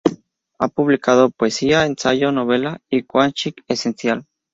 Ha publicado poesía, ensayo, novela y coaching esencial.